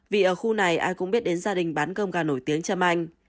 vì ở khu này ai cũng biết đến gia đình bán cơm gà nổi tiếng trâm anh